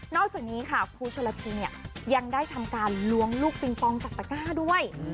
อกจากนี้ค่ะครูชนละทีเนี่ยยังได้ทำการล้วงลูกปิงปองจากตะก้าด้วย